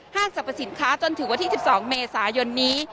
สรรพสินค้าจนถึงวันที่๑๒เมษายนนี้